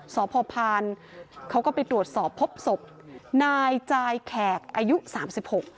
สพพานเขาก็ไปตรวจสอบพบศพนายจายแขกอายุสามสิบหก